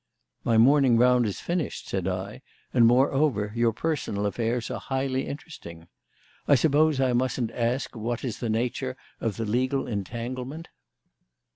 "My morning round is finished," said I, "and, moreover, your personal affairs are highly interesting. I suppose I mustn't ask what is the nature of the legal entanglement?"